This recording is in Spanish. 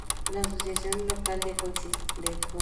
La asociación local dejó de existir.